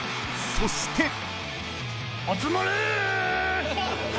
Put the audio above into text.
［そして］